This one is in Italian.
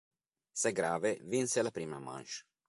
Segrave vinse la prima manche.